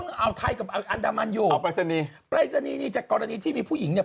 เอาไทยกับอันดามันอยู่อ๋อปรายศนีย์ปรายศนีย์นี่จากกรณีที่มีผู้หญิงเนี่ย